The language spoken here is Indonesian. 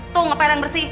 tuh ngapain yang bersih